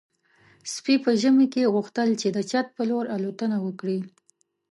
سپي په ژمي کې غوښتل چې د چت په لور الوتنه وکړي.